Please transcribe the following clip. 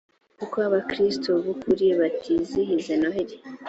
kuki abakristo b’ ukuri batizihiza noheli